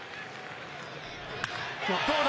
どうだ！？